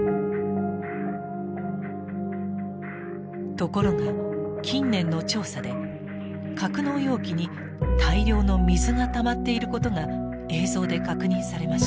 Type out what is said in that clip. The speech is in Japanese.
ところが近年の調査で格納容器に大量の水がたまっていることが映像で確認されました。